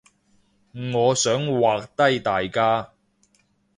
我想畫低大家